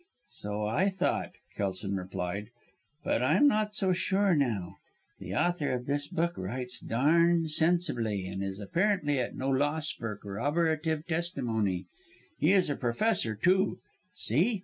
"So I thought," Kelson replied; "but I'm not so sure now. The author of this book writes darned sensibly, and is apparently at no loss for corroborative testimony. He was a professor too. See!